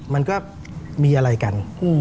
มันก็มีอะไรกัน